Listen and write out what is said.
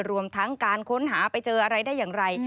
รวมทั้งการค้นหาไปเจออะไรได้อย่างไร